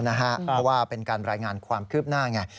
เพราะว่าเป็นการรายงานความคืบหน้าไง